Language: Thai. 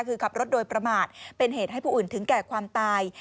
คือขับรถโดยประมาทเป็นเหตุให้ผู้อื่นถึงแก่ความตาย